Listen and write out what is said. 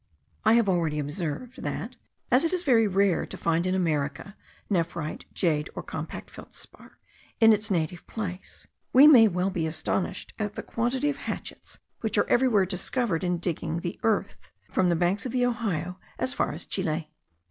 I have already observed, that, as it is very rare to find in America nephrite, jade, or compact feldspar, in its native place, we may well be astonished at the quantity of hatchets which are everywhere discovered in digging the earth, from the banks of the Ohio as far as Chile.